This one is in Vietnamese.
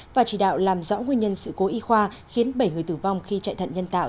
và chỉ đạo làm rõ nguyên nhân sự cố y khoa khiến bảy người tử vong khi chạy thận nhân tạo